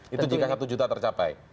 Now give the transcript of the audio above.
itu jika satu juta tercapai